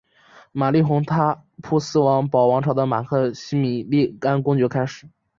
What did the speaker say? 玛丽同哈布斯堡王朝的马克西米利安公爵开始。